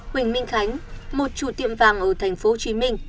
huỳnh minh khánh một chủ tiệm vàng ở tp hcm